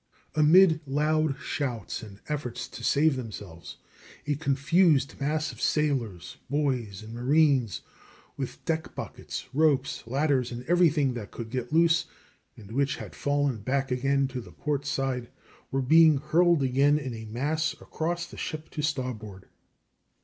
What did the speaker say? Amid loud shouts and efforts to save themselves, a confused mass of sailors, boys, and marines, with deck buckets, ropes, ladders, and everything that could get loose, and which had fallen back again to the port side, were being hurled again in a mass across the ship to starboard.